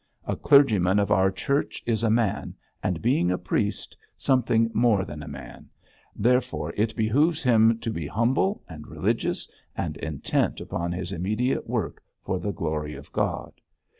A clergyman of our Church is a man, and being a priest something more than a man; therefore it behoves him to be humble and religious and intent upon his immediate work for the glory of God.